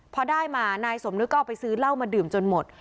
พอได้มานายสมนึกก็เอาไปซื้อเหล้ามาดื่มจนหมด